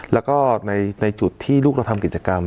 แล้วก็ในจุดที่ลูกเราทำกิจกรรม